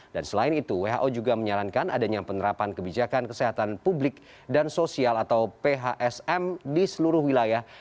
dan selain itu who juga menyarankan adanya penerapan kebijakan kesehatan publik dan sosial atau phsm di seluruh wilayah